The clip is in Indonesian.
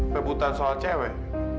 pebutuhan soal cewek